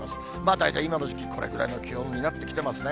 大体今の時期、これぐらいの気温になってきてますね。